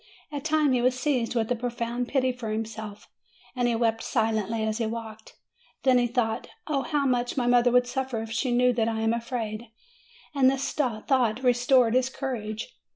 At times he was seized with a profound pity for himself, and he wept silently as he walked. Then he thought, "Oh how much my mother would suffer if she knew that I am afraid!" and this thought restored his courage.